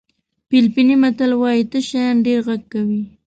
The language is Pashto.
فلیپیني متل وایي تش شیان ډېر غږ کوي.